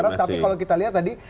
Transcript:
mas tapi kalau kita lihat tadi